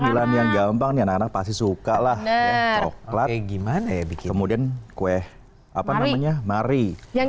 cemilan yang gampang nih anak anak pasti suka lah ya coklat gimana ya kemudian kue apa namanya mari yang